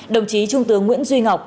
đồng chí trung tướng nguyễn duy ngọc